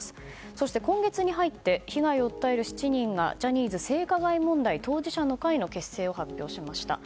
そして今月に入って被害を訴える７人がジャニーズ性加害問題当事者の会の結成を発表しました。